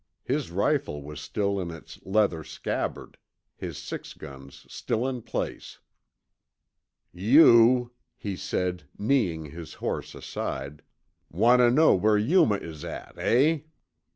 His rifle was still in its leather scabbard, his six guns still in place. "You," he said, kneeing his horse aside, "want tuh know whar Yuma is at, eh?"